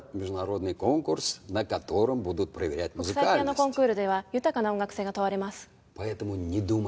国際ピアノコンクールでは豊かな音楽性が問われます。